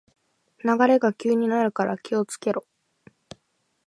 流れが急になるから気をつけろ